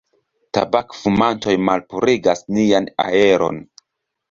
Tabak-fumantoj malpurigas nian aeron.